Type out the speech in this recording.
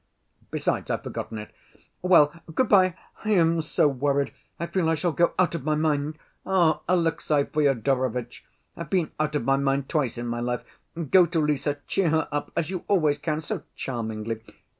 Besides, I've forgotten it. Well, good‐by! I am so worried I feel I shall go out of my mind. Ah! Alexey Fyodorovitch, I've been out of my mind twice in my life. Go to Lise, cheer her up, as you always can so charmingly.